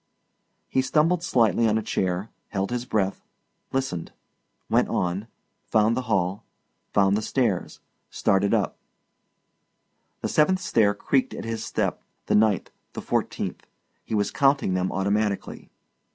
He stumbled slightly on a chair, held his breath, listened, went on, found the hall, found the stairs, started up; the seventh stair creaked at his step, the ninth, the fourteenth. He was counting them automatically.